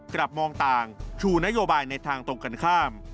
กลับมองต่างชูนโยบายในทางตรงกันข้าม